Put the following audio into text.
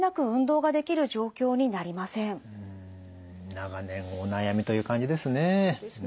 長年お悩みという感じですね。ですね。